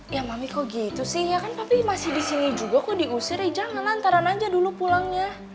iya mami kok gitu sih ya kan popi masih disini juga kok diusir ya jangan antaran aja dulu pulangnya